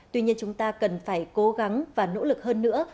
tuy nhiên chúng ta cần phải cố gắng và nỗ lực hơn nữa